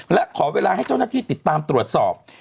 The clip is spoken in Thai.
และขอเวลาให้เจ้าหน้าที่ติดตามตรวจสอบ